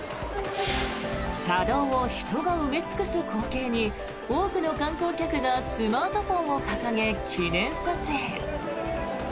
車道を人が埋め尽くす光景に多くの観光客がスマートフォンを掲げ記念撮影。